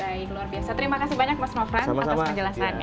baik luar biasa terima kasih banyak mas nofran atas penjelasannya